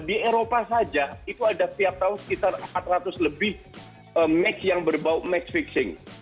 di eropa saja itu ada setiap tahun sekitar empat ratus lebih match yang berbau match fixing